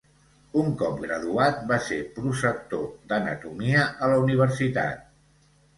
Un cop graduat, va ser prosector d'anatomia a la universitat.